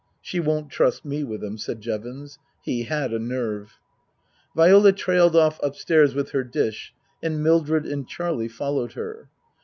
" She won't trust me with them," said Jevons. (He had a nerve.) Viola trailed off upstairs with her dish, and Mildred and Charlie followed her.